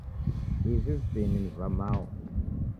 Ivi vipini ni va Mao.